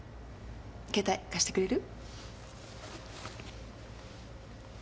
携帯貸してくれる？